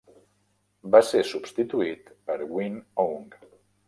Va ser substituït per Win Aung.